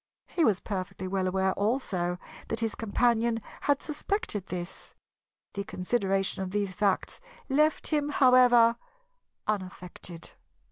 He was perfectly well aware, also, that his companion had suspected this. The consideration of these facts left him, however, unaffected.